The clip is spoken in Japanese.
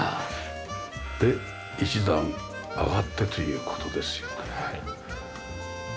で１段上がってという事ですよね。